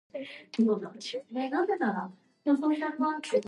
Ай, балам, ярый әле мин килеп җиттем, югыйсә мәңгегә йомылган идең бит.